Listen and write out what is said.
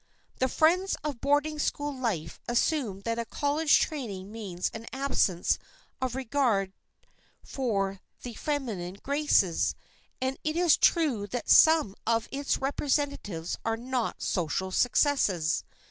The friends of boarding school life assume that a college training means an absence of regard for the feminine graces; and it is true that some of its representatives are not social successes.